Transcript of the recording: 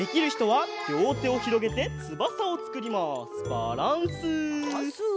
バランス！